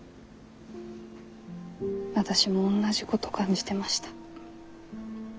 私もおんなじこと感じてました。